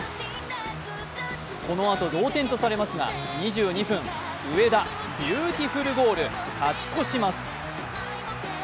このあと同点とされますが２２分、上田、ビューティフルゴール、勝ち越します。